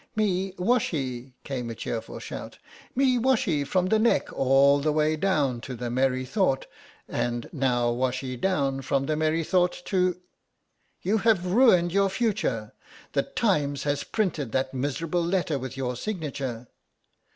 "Me washee," came a cheerful shout; "me washee from the neck all the way down to the merrythought, and now washee down from the merrythought to—" "You have ruined your future. The Times has printed that miserable letter with your signature."